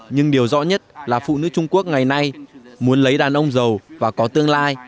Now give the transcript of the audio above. nhưng điều rõ nhất là phụ nữ trung quốc ngày nay muốn lấy đàn ông giàu và có tương lai